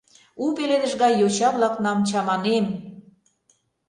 У пеледыш гай йоча-влакнам чаманем!